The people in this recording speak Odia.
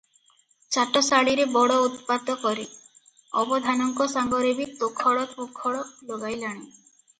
ଚାଟଶାଳୀରେ ବଡ ଉତ୍ପାତ କରେ, ଅବଧାନଙ୍କ ସାଙ୍ଗରେ ବି ତୋଖଡ଼ ମୋଖଡ଼ ଲଗାଇଲାଣି ।